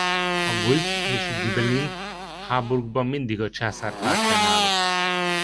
A guelf és ghibellin háborúkban mindig a császár pártján állott.